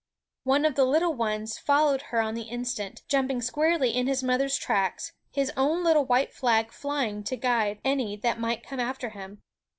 One of the little ones followed her on the instant,, jumping squarely in his mother's tracks, his own little white flag flying to guide any that might come after him.